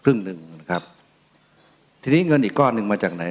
ครึ่งหนึ่งนะครับทีนี้เงินอีกก้อนหนึ่งมาจากไหน